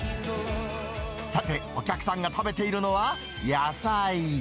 さて、お客さんが食べているのは、野菜。